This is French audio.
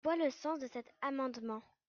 Voilà le sens de cet amendement.